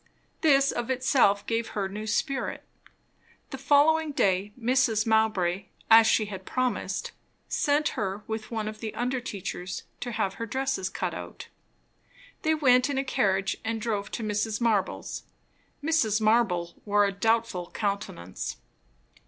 This of itself gave her new spirit. The following day Mrs. Mowbray, as she had promised, sent her with one of the under teachers to have her dresses cut out. They went in a carriage, and drove to Mrs. Marble's. Mrs. Marble wore a doubtful countenance.